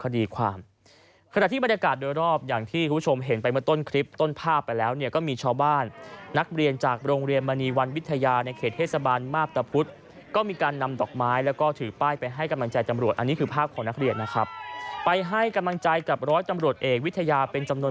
คดีความขณะที่บรรยากาศโดยรอบอย่างที่คุณผู้ชมเห็นไปเมื่อต้นคลิปต้นภาพไปแล้วเนี่ยก็มีชาวบ้านนักเรียนจากโรงเรียนมณีวันวิทยาในเขตเทศบาลมาพตะพุทธก็มีการนำดอกไม้แล้วก็ถือป้ายไปให้กำลังใจจำรวจอันนี้คือภาพของนักเรียนนะครับไปให้กำลังใจกับร้อยตำรวจเอกวิทยาเป็นจำน